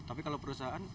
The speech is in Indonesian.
tapi kalau perusahaan